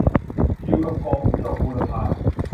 อยู่กับก๋ง- หยก บูรพา